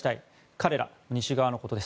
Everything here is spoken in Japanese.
彼ら、西側のことです